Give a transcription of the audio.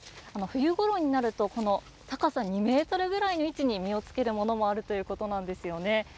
冬ごろになると高さ２ｍぐらいの位置に実をつけるものもあるということなんですよね。